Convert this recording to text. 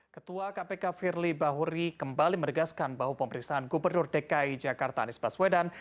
ketua kpk firly bahuri kembali menegaskan bahwa pemeriksaan gubernur dki jakarta anies baswedan